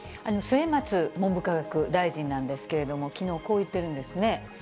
末松文部科学大臣なんですけれども、きのうこう言っているんですね。